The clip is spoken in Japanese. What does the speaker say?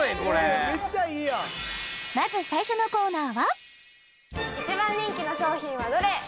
これまず最初のコーナーは一番人気の商品はどれ？